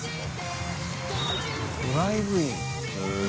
ドライブイン」へぇ。